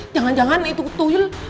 jangan jangan itu tujul